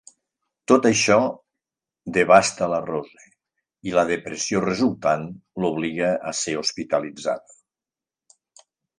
Tot això devasta la Rose, i la depressió resultant l'obliga a ser hospitalitzada.